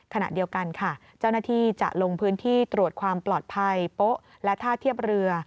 ขณะเดียวกันค่ะเจ้าหน้าที่จะลงพื้นที่ตรวจความปลอดภัยโป๊ะและท่าเทียบเรือ